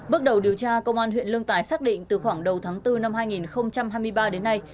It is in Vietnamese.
bước đầu điều tra công an huyện lương tài xác định từ khoảng đầu tháng bốn năm hai nghìn hai mươi ba đến nay